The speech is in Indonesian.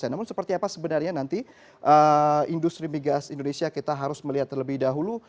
namun seperti apa sebenarnya nanti industri migas indonesia kita harus melihat terlebih dahulu